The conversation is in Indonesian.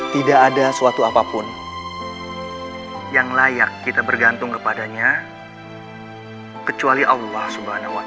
tidak ada suatu apapun yang layak kita bergantung kepadanya kecuali allah swt